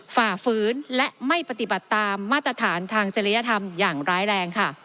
ฝ่าฝืนและไม่ปฏิบัติตามมาตรฐานทางจริยธรรมอย่างร้ายแรงค่ะ